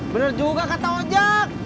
bener juga kata ngajak